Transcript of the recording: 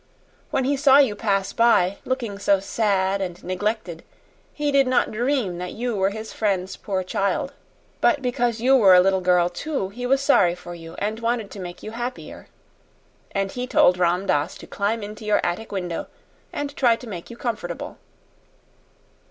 When he saw you pass by, looking so sad and neglected, he did not dream that you were his friend's poor child; but because you were a little girl, too, he was sorry for you, and wanted to make you happier. And he told Ram Dass to climb into your attic window and try to make you comfortable."